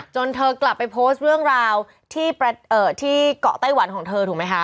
เธอกลับไปโพสต์เรื่องราวที่เกาะไต้หวันของเธอถูกไหมคะ